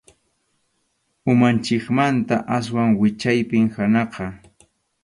Umanchikmanta aswan wichaypim hanaqqa.